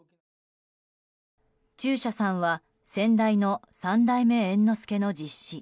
中車さんは先代の三代目猿之助の実子。